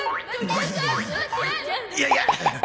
いやいや！